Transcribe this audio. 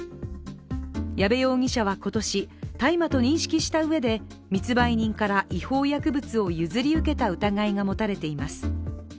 矢部容疑者は今年、大麻と認識したうえで密売人から違法薬物を譲り受けた疑いが持たれています。